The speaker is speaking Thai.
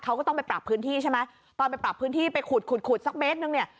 เขาก็ต้องไปปรับพื้นที่ใช่ไหมตอนไปปรับพื้นที่ไปขุดขุดสักเมตรนึงเนี่ย